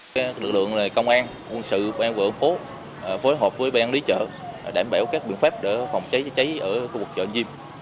các lực lượng công an quân sự ban quân phố phối hợp với ban lý chợ đảm bảo các biện pháp để phòng cháy cháy cháy ở khu vực chợ diêm